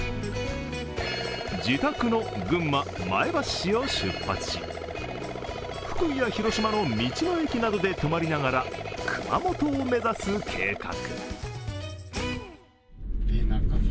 自宅の群馬・前橋市を出発し、福井や広島の道の駅などで泊まりながら熊本を目指す計画。